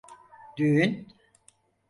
Düğün.